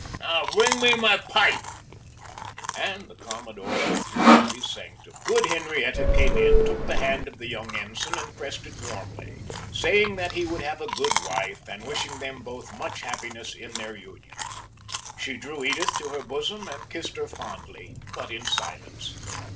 Now bring me my pipe;" and the commodore withdrew to his sanctum. Good Henrietta came in, took the hand of the young ensign, and pressed it warmly, saying that he would have a good wife, and wishing them both much happiness in their union. She drew Edith to her bosom, and kissed her fondly, but in silence.